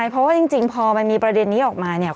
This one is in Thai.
เพราะว่าจริงพอมันมีประเด็นนี้ออกมาเนี่ย